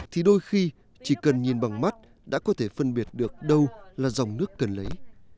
thì đôi khi chỉ cần nhìn bằng mắt đã có thể phân biệt được đâu là dòng nước cần lấy